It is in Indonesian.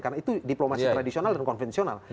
karena itu diplomasi tradisional dan konvensional